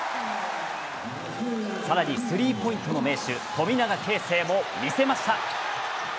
さらに、スリーポイントの名手富永啓生も見せました。